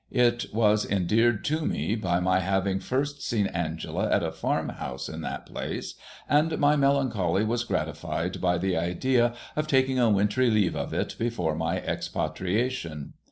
It was endeared to me by my having first seen Angela at a farmhouse in that place, and my melancholy was gratified by the idea of taking a wintry leave of it before my expatriation.